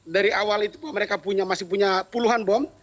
dari awal itu mereka masih punya puluhan bom